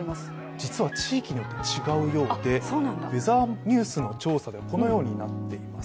実は地域によって違うようでウェザーニュースの調査でこのようになっています。